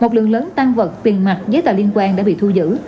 một lượng lớn tan vật tiền mặt giấy tờ liên quan đã bị thu giữ